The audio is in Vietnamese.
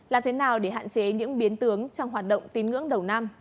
làm thế nào để hạn chế những biến tướng trong hoạt động tín ngưỡng đầu năm